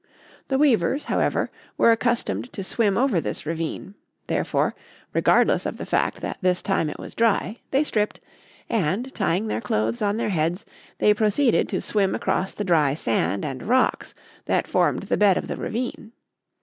The weavers, however, were accustomed to swim over this ravine; therefore, regardless of the fact that this time it was dry, they stripped, and, tying their clothes on their heads, they proceeded to swim across the dry sand and rocks that formed the bed of the ravine.